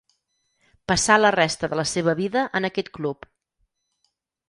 Passà la resta de la seva vida en aquest club.